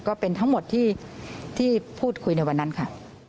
ก็เป็นทั้งหมดที่พูดคุยในวันนั้นค่ะ